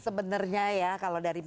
sebenarnya ya kalau dari